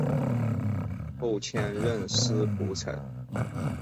后迁任司仆丞。